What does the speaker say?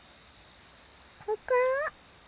ここ！